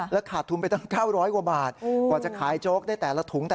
ขาดทุนไปตั้ง๙๐๐กว่าบาทกว่าจะขายโจ๊กได้แต่ละถุง